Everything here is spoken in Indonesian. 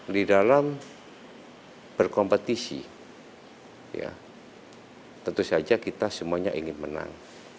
di dalam berkompetisi tentu saja kita semuanya ingin menang